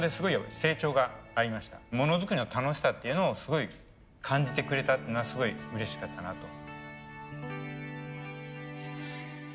モノづくりの楽しさっていうのをすごい感じてくれたっていうのはすごいうれしかったなと。